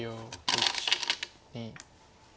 １２。